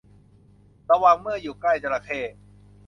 ระวังเมื่ออยู่ใกล้จระเข้